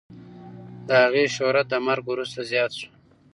د هغې شهرت د مرګ وروسته زیات شو.